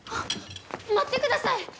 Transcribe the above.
待ってください！